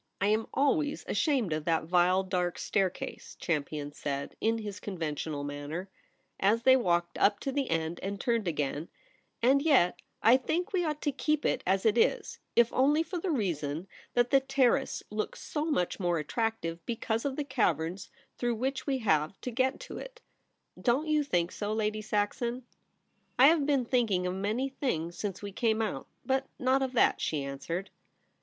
* I am always ashamed of that vile dark staircase,' Champion said in his conventional manner, as they walked up to the end and turned again ;' and yet I think we ought to keep it as it is, if only for the reason that the Terrace looks so much more attractive ON THE TERRACE. 43 because of the caverns through which we have to get to it. Don't you think so, Lady Saxon ?'' I have been thinking of many things since w^e came out, but not of that,' she answered.